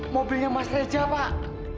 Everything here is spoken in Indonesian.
mobilnya mas reja pak